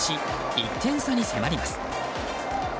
１点差に迫ります。